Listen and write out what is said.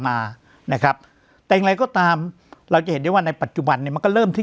มานะครับแต่อย่างไรก็ตามเราจะเห็นได้ว่าในปัจจุบันเนี่ยมันก็เริ่มที่